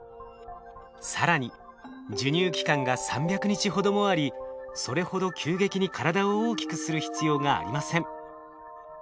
更に授乳期間が３００日ほどもありそれほど急激に体を大きくする必要がありません。